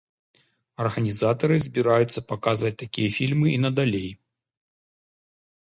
Арганізатары збіраюцца паказваць такія фільмы і далей.